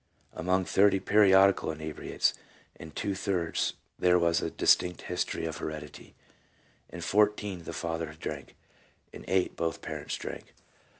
Among 30 periodical inebriates, in two thirds there was a distinct history of heredity; in fourteen the father drank, in eight both parents drank."